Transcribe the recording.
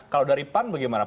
kalau dari pan bagaimana